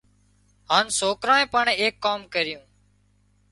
هانَ سوڪرانئين پڻ ايڪ ڪام ڪريون